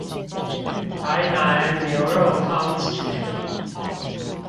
台南牛肉湯節